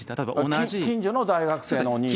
近所の大学生のお兄さん。